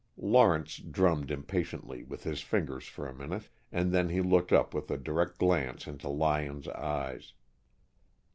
Lawrence drummed impatiently with his fingers for a minute, and then he looked up with a direct glance into Lyon's eyes.